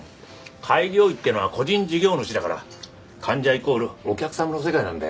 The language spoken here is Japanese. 開業医ってのは個人事業主だから「患者イコールお客さん」の世界なんだよ。